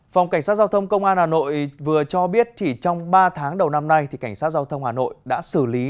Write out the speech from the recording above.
phòng cảnh sát giao thông công an hà nội vừa cho biết chỉ trong ba tháng đầu năm nay cảnh sát giao thông hà nội đã xử lý